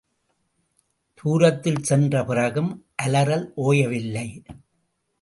தூரத்தில் சென்ற பிறகும் அலறல் ஓயவில்லை.